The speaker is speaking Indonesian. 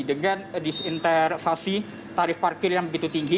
dengan disintervasi tarif parkir yang begitu tinggi